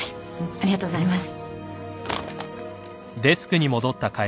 ありがとうございます。